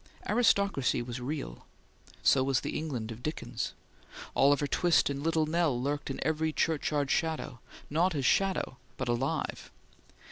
Aristocracy was real. So was the England of Dickens. Oliver Twist and Little Nell lurked in every churchyard shadow, not as shadow but alive.